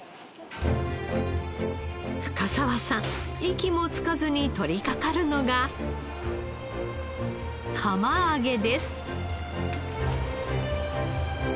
深澤さん息もつかずに取りかかるのが釜揚げです。